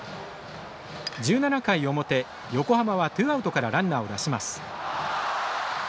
１７回表、横浜はツーアウトからランナーを出します。